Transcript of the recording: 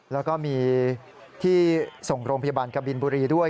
แล้วก็มีที่ส่งโรงพยาบาลกบินบุรีด้วย